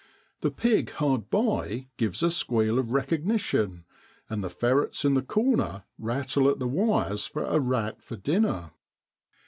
The pig hard by gives a squeal of recogni tion, and the ferrets in the corner rattle at the wires for a rat for dinner.